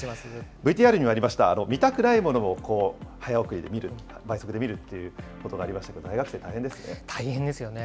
ＶＴＲにもありました、見たくないものを早送りで見る、倍速で見るっていうことがありましたけれども、大学生、大変ですね。